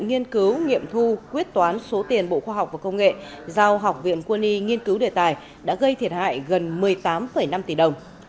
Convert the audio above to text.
nghiên cứu nghiệm thu quyết toán số tiền bộ khoa học và công nghệ giao học viện quân y nghiên cứu đề tài đã gây thiệt hại gần một mươi tám năm tỷ đồng